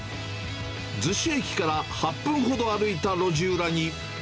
逗子駅から８分ほど歩いた路地裏に。